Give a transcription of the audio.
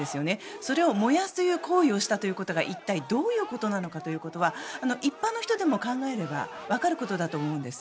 それを燃やす行為をしたということが一体どういうことなのかということは一般の人でも、考えればわかることだと思うんです。